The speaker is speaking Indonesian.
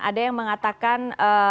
ada yang mengatakan